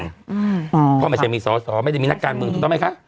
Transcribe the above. เพราะไม่ใช่มีสอสอไม่ได้มีนักการเมืองถูกต้องไหมคะ